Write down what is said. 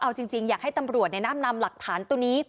เอาจริงอยากให้ตำรวจนำหลักฐานตัวนี้